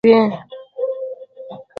له ژړا سره يې پزه او سترګې سرې شوي وې.